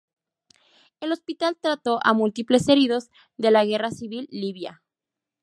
El hospital trató a múltiples heridos de la guerra civil libia.